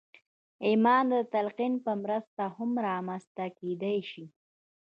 ایمان د تلقین په مرسته هم رامنځته کېدای شي